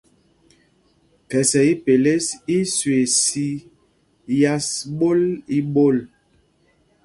Khɛsɛ ipelês í í swee sī yas ɓól í ɓol.